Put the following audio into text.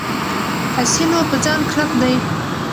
حسینو په ځان کلک دی.